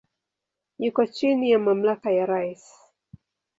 Yuko chini ya mamlaka ya rais.